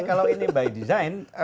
kalau ini by design